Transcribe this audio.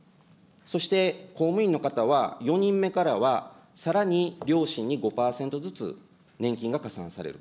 そして、公務員の方は４人目からはさらに両親に５％ずつ年金が加算される。